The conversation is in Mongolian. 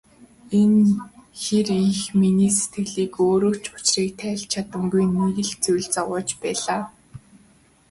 Энэ хэр миний сэтгэлийг өөрөө ч учрыг тайлж чадамгүй нэг л зүйл зовоож байлаа.